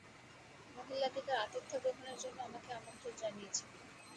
মহিলাটি তাঁর আতিথ্যগ্রহণের জন্য আমাকে আমন্ত্রণ জানিয়েছেন।